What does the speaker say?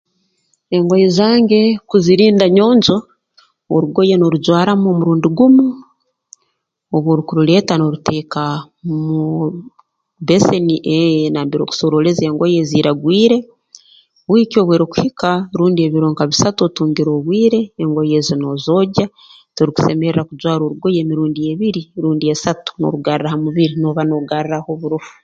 Engoye zange kuzirinda nyonjo orugoye noorujwaramu omurundi gumu obu orukuruleeta nooruteeka muu bbeseni ee nambere orukusooroleza engoye eziiragwire wiiki obu erukuhika rundi ebiro bisatu otungire obwire engoye ezo noozogya torukusemerra kujwara orugoye emirundi ebiri rundi esatu noorugarra ha mubiri nooba noogarraaho oburofu